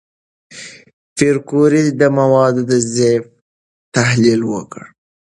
پېیر کوري د موادو د طیف تحلیل وکړ.